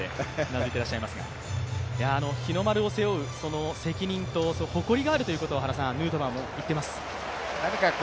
日の丸を背負う責任と誇りがあるということをヌートバーも言っています。